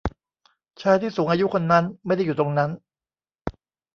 ชายที่สูงอายุคนนั้นไม่ได้อยู่ตรงนั้น